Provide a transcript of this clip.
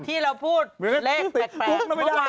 ที่เราพูดเลขแปลก